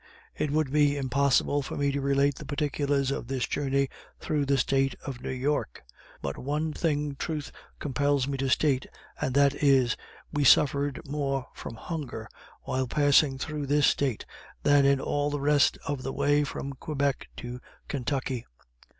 It would be impossible for me to relate the particulars of this journey through the State of New York; but one thing truth compels me to state, and that is, we suffered more from hunger while passing through this State than in all the rest of the way from Quebec to Kentucky.